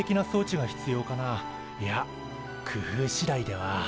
いやくふうしだいでは。